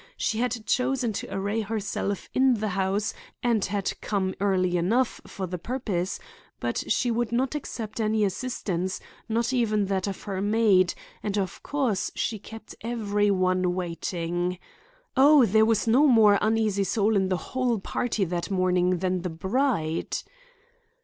She had chosen to array herself in the house and had come early enough for the purpose; but she would not accept any assistance, not even that of her maid, and of course she kept every one waiting. "Oh, there was no more uneasy soul in the whole party that morning than the bride!"